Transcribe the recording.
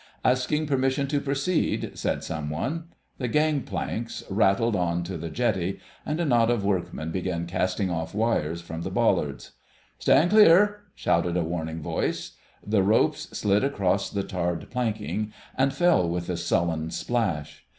"Askin' permission to proceed," said some one. The gang planks rattled on to the jetty, and a knot of workmen began casting off wires from the bollards. "Stand clear!" shouted a warning voice. The ropes slid across the tarred planking and fell with a sullen splash.